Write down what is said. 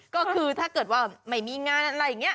ก็คือถ้าเกิดว่าไม่มีงานอะไรอย่างนี้